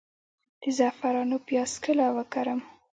د زعفرانو پیاز کله وکرم؟